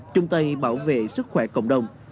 chung tay bảo vệ sức khỏe cộng đồng